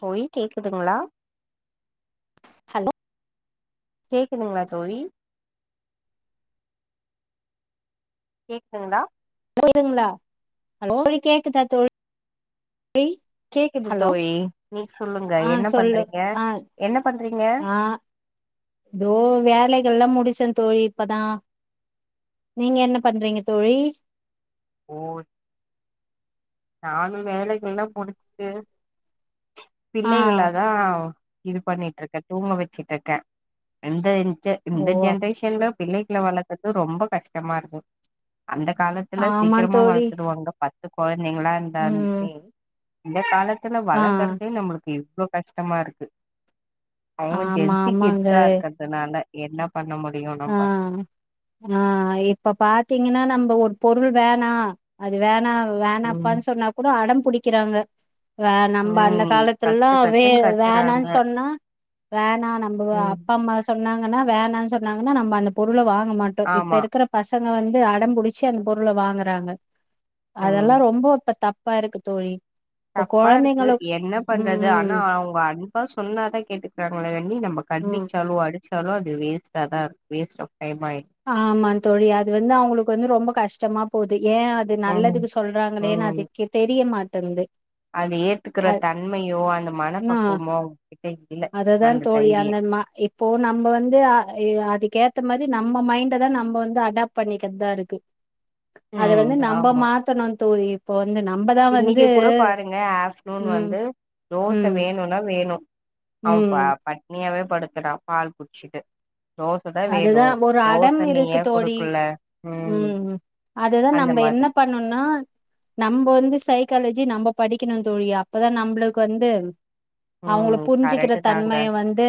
போய் கேக்குதுங்களா ஹலோ கேக்குதுங்களா தோழி கேக்குதுங்களா கேக்குதுங்களா தோழி கேக்குதா தோழி ஏய் கேக்குது தோழி நீங்க சொல்லுங்க ஆ என்ன சொல்லு பண்றீங்க ஆ என்ன பண்றீங்க தோ வேலைகள்லா முடிச்சே தோழி இப்பதா நீங்க என்ன பண்றீங்க தோழி ஓய் நானு வேலைகள்லா முடிச்சிட்டு ஆ பிள்ளைகளதா இது பண்ணிட்டு இருக்கே தூங்க வச்சுட்டு இருக்கே எந்த இன் ஜ ஓ இந்த அப்- ஜென்ரேஷன்ல பிள்ளைகள வளக்குறது ரொம்ப கஷ்டமா இருக்கு அந்த காலத் துல்ல ஆமா சீக்கிரமா தோழி வளத்துடுவாங்க பத்து கொழந்தைங்களா ம் இருந்தாந்மே இந்த காலத்துல ஆ வளக்கறதே நம்மளுக்கு இவ்ளோ கஷ்டமா இருக்கு அவுங்க ஆமா ஜென்சி ஆமாங்க கிட்ஸ் ஆ இருக்கிறதுனால என்ன பண்ண முடியு ஆ நம்ப ஆ இப்ப பாத்தீங்கன்னா நம்ம ஒரு பொருள் வேணா அது வேணா ம் வேணாப்பான்னு சொன்னா கூட அடம் புடிக்கிறாங்க வ நம்ப அந்த ம் காலத்துலல்லா கத்து வே கத்துன்னு கத்துறாங்க வேணான்னு சொன்னா வேணா நம்புவ ம் அப்பா அம்மா ஸ் சொன்னாங்கன்னா வேணானு சொன்னாங்கன்னா நம்ம அந்த பொருள வாங்க மாட்டோ இப்ப ஆமா இருக்கிற பசங்க வந்து அடம்புடிச்சு அந்த பொருள வாங்குறாங்க ம் அதெல்லா ரொம்ப இப்ப தப் பா இருக்கு தோழி இப்ப தப்பா இருக்கு குழந்தைங்கள என்ன ம், பண்றது ஆனா ம், அவுங்க அன்பா சொன்னாதா கேட்டுக்கிறாங்களே வேணி நம்ம கண்டி ம். சாலோ அடிச்சாலோ அது வேஸ்ட் ஆ தா வேஸ் ஆப் டைம் ஆய் ஆமா தோழி அது வந்து அவுங்களுக்கு வந்து ரொம்ப கஷ்டமா போது ஏ அ இது ம் நல்லதுக்கு சொல்றாங்களேனு அதுக்கு தெரிய மாட்டேன்குது அத ஏத்துக்கிற தன்மையோ அந்த மனப்பக்குவமோ அவுங்க கிட்ட இல்ல அதுதா அந்த தோழி அந்த தைரியோ மா இப் இப்போ நம்ப வந்து அ அதுக்கு ஏத்த மாரி நம்ம மைண்ட தா நம்மோ வந்து அடாப்ட் பண்ணிக்கிற தா இருக்கு [inaudible] அத ம் வந்து நம்ம மாத்தணு தோழி இப்ப வந்து நம்ம தா இன்னைக்கி கூட பாருங்க ஆஃப்டர்நூன் வந்து தோச ம், வேணுன் இன்னா வேணு அவ ப ம். பட்னியாவே படுத்துறா பால் குச்சிட்டு தோச தா வேணு அதுதான் ஒரு தோச அடம் நீ இருக்கு ஏ குடுக்கல ம் அதுதா அந்த நம்ப என்ன மாதிரி பண்ணுனா நம்ப வந்து சைக்காலஜி நம்ப படிக்கணு தோழி அப்பதா நம்பளுக்கு வந்து அவங்கள ம் புரிஞ்சுக்கிற கரெக்ட் தாங்க தன்மைய வந்து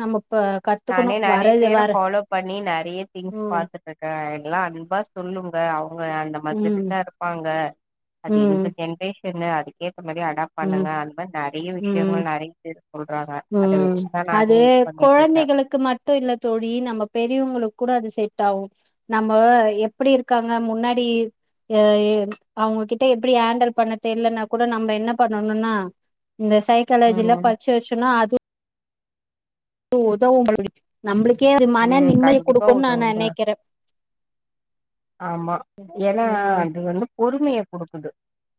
நம்ப ப கத்துக்கணு நானே வ நெறைய பேர ஃபாலோ பண்ணி நறைய திங்ஸ் ம், பாத்துட்டு இருக்கேங்குலா அன்பா சொல்லுங்க அவுங்க அந்த மருத்துட்டு ம், தா இருப்பாங்க அது ம், இந்த ஜென்ரேஷன் அதுக்கேத்த மாரி அடாப் ம், பண்ணுங்க அன்பா நறைய வி ம். கரேக்ட்டு சொல்றாங்க அத ம் வெச்சு தா நானே இது பண்ணிட்டு இருக்கே ட்டு இல்ல தோழி நம்ம பெரியவங்களுக்கு கூட அது செட் ஆகு நம்ப எப்டி இருக்காங்க முன்னாடி அ அவங்ககிட்ட எப்டி ஹேண்டல் பண்ண தெர்ல்ன்னா கூட நம்ப என்ன பண்ணணுனா இந்த சைக்காலஜில ம் படிச்சு வெச்சுனோ அதுவு உதவு தோழி நம்பளுக்கே அது மன ம் நிம்மதி கண்டிப்பா குடுக்குனு நா உதவுங்க நெனைக்கிற ஆமா ஏனா ம் அது வந்து பொறுமைய குடுக்குது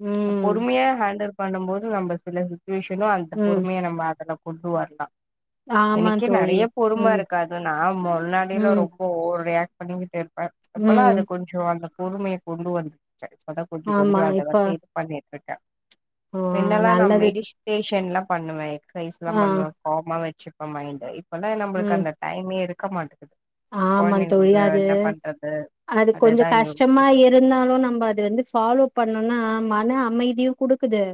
ம் பொறுமையா ஹேண்டல் பண்ணும் போது நம்ப சில யூஷ்வலா அந்த ம் பொறுமைய நம்ம அதுல கொண்டு வர்லா ஆமா எனக்கே தோழி நறைய பொறும ம் இருக்கா து நா முன்னாடியிலா ம் ரொம்ப ஓவர் ரியாக்ட் பண்ணிக்கிட்டு இருப்பே எப்பெல்லா ம் அது கொஞ் கொஞ்சோ அந்த பொறுமைய கொண்டு வந்துட்ட இப்பதா கொஞ்ச கொஞ்ச ஆமா அத இப்ப வந்து பண்ணிட்ருக்கே ஆ மின்னல்லா நா நல்லது மெடிஷ்டேஷன்ல்லா பண்ணுவே எக்ஸசைஸ் எல்லா ஆ பண்ணுவே காமா வெச்சிப்பே மைண்ட இப்பெல்லா நம்பளுக்கு ம் அந்த டைமே இருக்க மாட்டே ஆமா தோழி அது அது கொஞ்ச அதுதா கஷ்டமா யோசிச்சுட்டு இருந்தாலு நம்ப அது வந்து ஃபாலோ பண்ணொனா மன அமைதியு குடுக்குது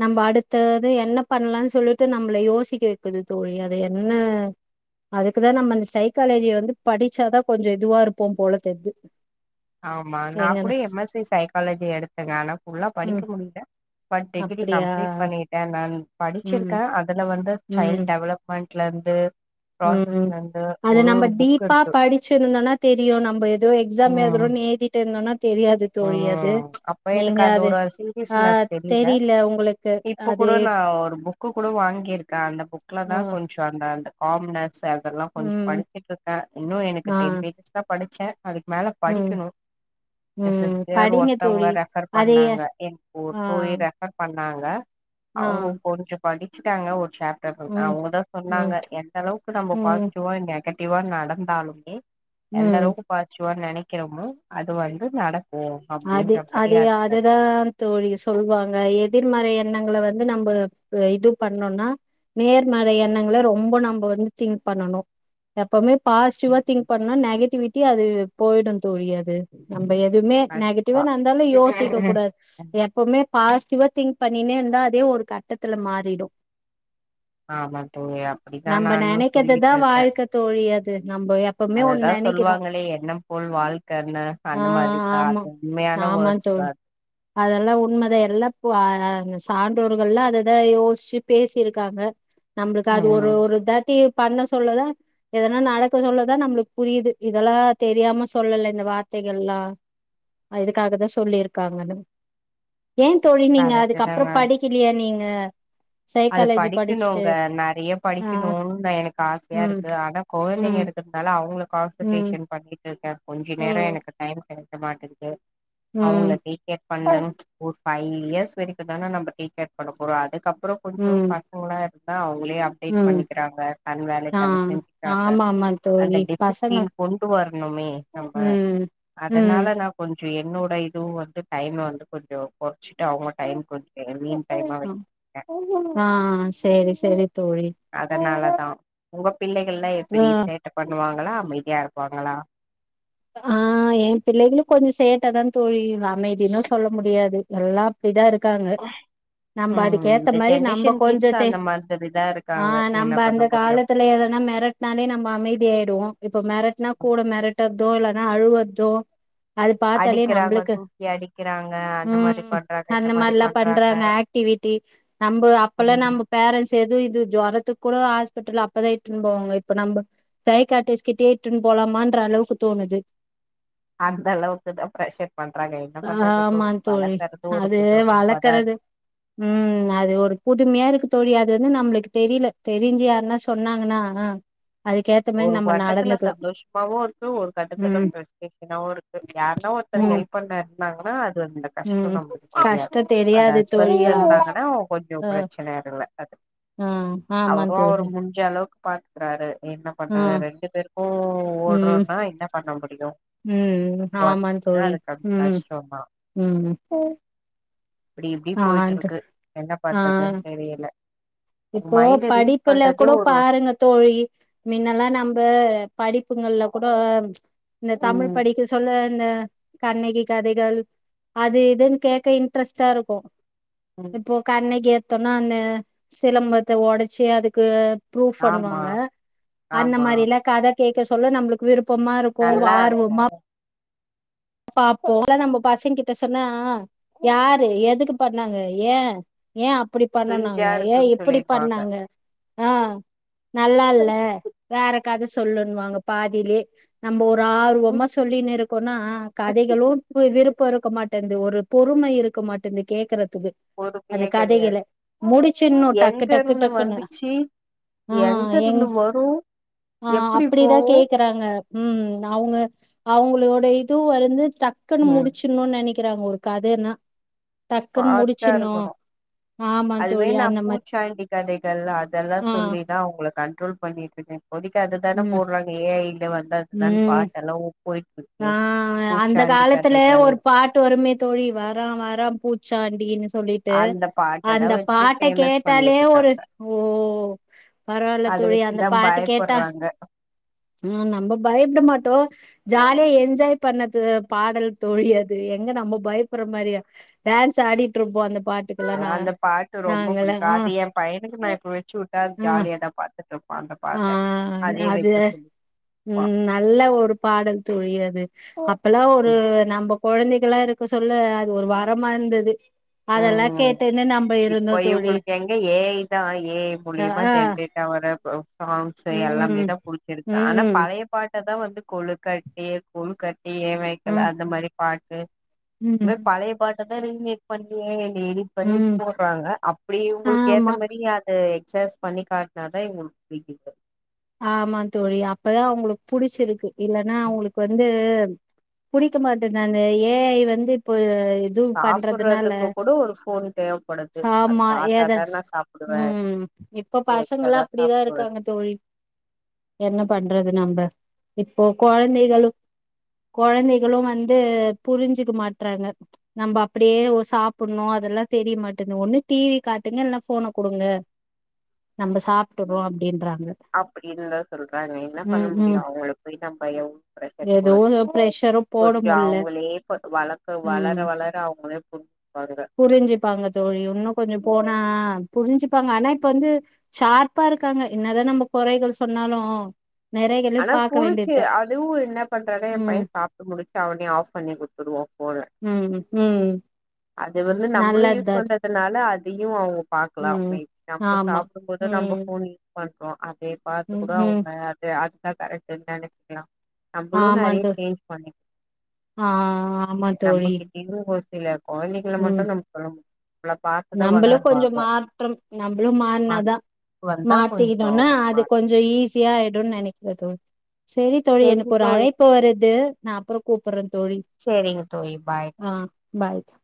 நம்ப அடுத்தது என்ன பண்லான் சொல்லிட்டு நம்ப்ள யோசிக்க வைக்குது தோழி அத என்ன அதுக்குதா நம்ம அந்த சைக்காலஜிய வந்து படிச்சாதா கொஞ்ச இதுவா இருப்போ போல தெர்து ஆமா நா கூட எம் எஸ் சி சைக்காலஜி எடுத்தங்க ஆனா ஃபுல்லா படிக்க ம் முடில பட் டிகிரி அப்டியா கம்ப்ளீட் பண்ணி ஏ நா ம் படிச்சிருக்கே அதுல வந்து ம் சைல்ட் டெவலப்மெண்ட்ல இருந்து ம் ப்ராசஸ்ல இருந்து அது ஒரு நம்ப ஒரு புக் டீப்பா இருக்கு படிச்சிருந்தோனா தெரியு நம்ப ஏதோ எக்ஸாம் ம் ஏதுரோன் ஏதி இருந்தோனா தெரியாது தோழி அது ம் அப்ப நீங்க எனக்கு அது அதோட ஆ சீரியஸ்னஸ் தெரியில தெரில உங்களுக்கு இப்ப அது கூட நா ஒரு பு க்கு கூட வாங்கியிருக்கே அந்த புக்ல தா ஆ கொஞ் ச அந்த அந்த காமனஸ் அதெல்லா கொஞ்ச ம் படிச்சட்டு இருக்கே இன்னு எனக்கு ஆ டென் பேஜஸ் தா படிச்சே அதுக்கு மேல ம் படிக்கணு எ ம் சிஸ்டர் படிங்க தோழி ஒருத்தவங்க ரெஃபர் அதைய பண்ணாங்க எ ஃபோ ஆ [unintelligible] ரெஃபர் பண்ணாங்க ஆ அவங்க கொஞ்ச படிச்சுட்டாங்க ஒரு சாப் டர் ம் அவங்கதா ம் சொன்னாங்க எந்த அளவுக்கு நம்ம ம் பாசிட்டிவா நெகட்டிவா நடந்தாலுமே எந்த ம் அளவுக்கு பாஸிட்டிவா நனைக்கிறோமோ அது வந்து நடக் அது அது அதுதா தோழி சொல்லுவாங்க எதிர்மறை எண்ணங்கள வந்து நம்ப இது பண்ணோனா நேர்மறை எண்ணங்கள ரொம்ப நம்ப வந்து திங்க் பண்ணணு எப்பமே பாசிட்டிவா திங்க் பண்ணா நெகட்டிவிட்டி அது போயிடு தோழி அது நம்ப எதுவுமே நெகட்டிவா கண்டிப்பா நடந்தாலு யோசிக்க கூடா எப்பவுமே பாசிட்டிவா திங்க் பண்ணினே இருந்தா அதே ஒரு கட்டத்துல மாறிடு ஆமா தோழி அப்டித்தா நம்ம நானு நெனைக்கிறதுதா சொல்லிட்டு இருக்கே வாழ்க்க தோழி அது நம்ப எ அத தா சொல்லுவாங்களே எண்ணம் போல் வாழ்க்கன்னு ஆ அந்த மாரி தா ஆமா அது உண்மையான ஆமா வேர்ட்ஸ் தா தோழ் அதெல்லா உண்மதே எல்லா போ சான்றோர்கள்ல்லா அத தா யோசிச்சு பேசியிருக்காங்க நம்மளுக்கு அது ஒரு ம் ஒரு தாட்டி பண்ண சொல்லுதா எதனா நடக்க சொல்லதா நம்மளுக்கு புரியுது இதெல்லா தெரியாம சொல்ல ல இந்த வார்த்தைகள் எல்லா ஆ எதுக்காக தா சொல்லியிருக்காங்கன்னு ஏ தோழி நீங்க கரெக்ட் தாங்க அதுக்கப்புறோம் படிப் கிறியா நீங்க அது சைக்காலஜி படிச்சுட்டு படிக்கணுங்க நெறைய ஆ படிக்கணுன்னு தா எனக்கு ஆசையா ம் இருக்கு ஆனா கொய்ந்தைங்க ம் இருக் தல அவ்ங்கள ம் கான்சன்டேஷன் பண்ணிகிட்டு இருக்கே கொஞ்ச நேர ம் எனக்கு டைம் கிடைக்க மாட்டேது தே அவ்ங்கள்ல ம் டீகேட் பண்ணு ஒரு ஃபைவ் இயர்ஸ் வரைக்கு தானா நம்ம டீகேர் பண்ண போறோ அதுக்கப்புறோ கொஞ்சோ ம் பாத் ஓனா இருந்தா அவங்களே அப் டேட் ம் பண்ணிக்கிறாங்க தன் வேலட் ஆ தன் செஞ்சுக்றாங்க ஆமா ஆமா அந்த தோழி டிசிப்ளின் கொண்டு வரணுமே நம்ம உம் அதனால நா கொஞ்சோ என்னோட இதுவு வந்து டைம் வந்து கொஞ்சோ குறச்சிட்டு அவ்ங்க டைம் கொறச்சிடே மீன் டைமா வச் ஆ செரி செரி தோழி அதனால தா உங்க பிள்ளைகள்லா எப்டி சேட்ட பண்ணுவாங்களா அமைதியா இருப்பாங்களா ஆ ஏ பிள்ளைகளு கொஞ்சோ சேட்ட தா தொழி அமைதினு சொல்ல முடியாது எல்லா அப்டிதா இருக்காங்க நம்ம ம் அதுக்கு ஏத்த இந்த மரி நம்ம ஜென்ரேஷன் கொஞ்சோ கிட்ஸ் சே அந்த மாதிரிதா ஆ இருக்காங்க நம்ம என்ன பண்ண அந்த முடியு காலத்துல எதனா மெரட் னாலே நம்ம அமைதி ஆயிடுவோ இப்ப மெரட்னா கூட மெரட்தோ இல்லன்னா அழுவதூ அது பாத்தாலே அடிக்கிறாங்க நம்மளுக்கு தூக்கி அடிக்கிறாங்க அந்த உம் மாரி பண்றாங்க இந்த அந்த மாரி மாரில்லா பண்றாங்க ஹட் டிவிட்டி நம் அப்பல்லா ம் நம்போ ஃபேரண்ஸ் எது இது ஜொரத்துக்கு கூடவ ஹாஸ்பிட்டல் அப்பதா இத்துட்ன்னு போவாங்க இப்ப நம்ம தைகாட்டிஸ்கிட்டையே இத்துன்னு போலாமான்தற அளவுக்கு தோணுது அந்த அளவுக்கு தா பிரரெஷர் பண்றாங்க என்ன பண்றது ஆமா தோழ் தோழி வளர்கக்கறது ஒரு குதுரை கொம்பாட்ட உம் அது ஒரு புதுமையா இருக்கு தோழி அது வந்து நம்மளுக்கு தெரியில தெரிஞ்சு யாருன்னா சொன்னாங்கன்னா அதுக்கேத்த மாரி நம்ம நடந்துக்லா பவ்வோர் ஷூர் கட்டு கட்டா ஃபேர்ஸ் கேக் நவ்வோ இருக் யார்ன ஒருத்தர் ம் ஹெல்ப் பண்ண இருந்தாங்கன்னா அதுந்தக் ம் கஷ்டோதம்ளுக்கு தெரியாது கஷ்ட அந்த தெரியாது தோழி ஹஸ்பண்ட்ஸ் இருந்தாங்கன்னா கொஞ்சோ பிரச்சன இல்ல அது ஆ ஆ ஆமா தொழி ஞ்ச அளவுக்கு பாத்க்கறாரு என்ன பண்றது ரெண்டு பேருக்கு ஓடோர்றோனா என்ன பண்ண முடியு உம் ஆமான் ஒர்க்னா தோழி அது க உம் கஷ்டோந்தா உம் இப்டி இப்டி போயிட்டு இருக்கு என்ன ஆ பண்றதுன்னு தெரியில இப்போ படிப்புல கூட ஒரு பாருங்க தோழி முன்னல்லா நம்ம படிப்புங்கள்ல கூட இந்த தமிழ் ம் படிக்க சொல்ல அந்த கண்ணிகி கதைகள் அது இதுன்னு கேட்க இன்ட்ரெஸ்டா இருக்கு ம் இப்போ கண்ணகிகு ஏத்தோன்னா சிலம்பத்த ஒடச்சி அதுக்கு ஃப்ரூவ் ஆமா பண்ணுவாங்க அந்த ஆமா மாரில கத கேட்க சொல்ல நம்மளுக்கு விருப்பமா இருக்கு நல்லா இருக்கு வார்வோமா பாப்போ இதல்லா நம்ம பசங்கிட்ட சொன்னா யாரு எதுக்கு பண்ணாங்க ஏ ஏ அப்டி பண்ணுனாங்க கிரிஞ்சா ஏ இருக்குன் இப்டி சொல்லிடுவாங்க பண்ணாங்க ஆ நல்லால்ல வேறக்கத சொல்லுணுவாங்க பாதிலே நம்ம ஒரு ஆர்வமா சொல்லின்னு இருக்கோனா கதைகளு விருப்ப இருக்க மாட் டந்து ஒரு பொறும இருக்க மாட்டது கேக்குறதுக்கு அந்த பொறுமையே கதைகள கெடையாது முடிச்சிர்னு டக்கு எங்க டக்கு இருந்து டக்குன்னு வந்துச்சு ஆ எங்க எங் இருந்து வரு எப்டி போவு டாங்க ம் அவுங்க அவுங்ளோட இது வந்து டக்குன்னு ம் முடிச் சிர்னு நெனைக்கிறாங்க ஒரு கதனா டக்குன்னு ஃபாஸ்ட்டா முடிச்சுர்ணு இருக்கணு அதுவே நா பூச்சாண்டி கதைகள் அதெல்லா ஆ சொல்லிதா அவுங்கள கண்ட்ரோல் பண்ணிட்டு இருக்கே ஒடிக்க அது தான ம் போட்றாங்க ஏ ஐ ல வந்ததன் ம் பாட்டு எல்லா போயிட் இருக் ஆ அந்த காலத்துல ஒரு பாட் டு வருமே தோழி வரான் வரான் பூச்சாண்டீனு சொல்லிட்டு அந்த பாட்டதா அந்த வச்சு பாட்ட ஃபேமஸ் கேட்டாலே பண்ணிட்டு ஒரு இருக்காங்க ஓ பரவால்ல அத தோழி அந்த வச்சுதா பாட்டு கேட்டா பயப்பட்றாங்க ஆ நம்ம பயப்பட மாட்டோ ஜாலியா என்ஜாய் பண்ணது பாடல் தோழி அது எங்க நம்ம பயப்பற மாரியா டேன்ஸ் ஆடிட்டு இருப்போ அந்த பாட்டுக் அந்த பாட்டு ரொம்ப புடிக்கு அது ஏ பையனுக்கு நா இப்ப வச்சு விட்டா அது ஜாலியா தா பாத்துட் இருப் பா அந்த ஆ ஆ பாட்ட அதையே அது வெக்க சொல்லு ம் நல்ல ஒரு பாடல் தோழி அது அப்பல்லா ஒரு ம் நம்ம கொழந்தைகளா இருக்க சொல்ல அது ஒரு வரமா இருந்தது ம் அதெல்லா ம் கேட்டுன்னு நம்ம இருந்தோ இப்ப தோழி இவுங்களுக்கு எங்க ஏஐ தா ஏஐ அ மூலியமா ஆ ஜென்ரேட் இதா வர போ சாங்ஸ்சு ம் எல்லாமே ம் தா குடுத்துருக்கு ஆனா ம் பழைய பாட்ட தா வந்து கொழுக்கட்டியே கொழுக்கட்டியே ஏ வேக்கல ம் அந்த மாரி பாட்டு இந் ம் மேர் ம் பழைய பாட்ட தா ரீமேக் பண்ணியே எங்க எடிட் பண்ணி ம் போட்றாங்க அப்டி உங்களுக்கு ஏத்த ஆமா மாரி அது எக்சஸ் பண்ணி காட்னாதா இவுங்களுக்கு பிடிக்கு ஆமா தோழி அப்பதா அவுங்களுக் புடிச்சிருக்கு இல்லன்னா அவுங்களுக் வந்து புடிக்க மாட்டேந்து அந்த ஏஐ வந்து இப்போ இது பண்றதுனால சாப்புட்றதுக்கு கூட ஒரு ஃபோன் தேவப்படுது அது ஆமா பாத்தாதா ஏதாச் நா சாப்புடுவே ம் இப்ப பசங்கல்லா வச்சாதா அப்டிதா சாப்புடுவே இருக்காங்க தோழி என்ன பண்றது நம்ம இப்ப கொழந்தைகளு கொழந்தைகளு வந்து புரிஞ்சிக்க மாட்றாங்க நம்ப அப்டியே ஒ சாப்பட்ணு அதெல்லா தெரிய மாட்டேண்து ஒண்ணு டிவி காட்டுங்க இல்னா போன குடுங்க நம்ப சாப்டுக்வோ அப்டின்றாங்க அப்டின்னு தா சொல்றாங்க என்ன பண்ண ம் முடியு ம் அவுங்களுக் போய் நம்ப எவ்ளோ ப்ரஷர் ஏதோ போட ப்ரெஷரு போட கொஞ்ச முல்ல அவுங்ளே பார் வளர்க்க ம் வளர வளர அவுங்களே புரிஞ்சிப்பாங்க புரிஞ்சுப்பாங்க தோழி இன்னு கொஞ்ச போனா புரிஞ்சுப்பாங்க ஆனா இப்ப வந்து சார்பா இருக்காங்க என்னதா நம்ப கொறைகள் சொன்னாலு நெறைகளையு ஆனா பாக்க புடிச்சு வேண்டியதுதா அதுவு என்ன பண்றாங்க எ பைய ம் சாப் முடிச்சா அவனே ஆஃப் பண்ணி குடுத்துடுவா ஃபோன ம் ம் அது வந்து நம்பளு யூஸ் நல்லதுதா அது. பண்றதுனால அதியு ஆவு பாக்லா ம் மே நம்ப ஆமா சாப்டும் போது நம்ப ம் போன் யூஸ் பண்றோ அதைய பார்த்து ம் கூட ம் அவுங்க சேர் அத்தா கரெக்டுன் நெனைக்லா நம்பளு ஆமா நறைய தோழி சேஞ்ச் பண்ணிக் ஆ ஆமா தோழி நம்பகிட் ஏதோ ஒரு சில கொழந்தைகள மட்டும் நம்ம சொல்லம் நம்பளும் கொஞ்சம் மாற்றம் நம்பளும் மாற்ற மாற்னாதா வந்தா மாத்திக் கொஞ்சோ கித்தோம்னா அவங்களுக்கு அது மாறு கொஞ்சம் ஈஸியா ஆயிடோ நெனைக்கற்ந் தோ செரி தோழி செரிங்க எனக்கு ஒரு தோழி அழைப்பு வருது நா அப்புறம் கூப்பட்றே தோழி சேரிங்க தோயீ பாய் ஆ பாய்